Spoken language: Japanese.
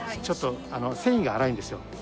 ちょっと繊維が粗いんですよ。